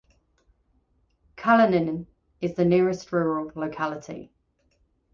Kalinin is the nearest rural locality.